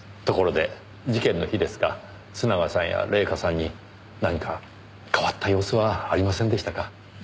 ところで事件の日ですが須永さんや礼夏さんに何か変わった様子はありませんでしたか？